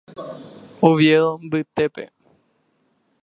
Oviedo mbytépe.